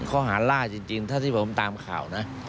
ข้อหาล่าจริงถ้าที่ผมตามข่าวนะ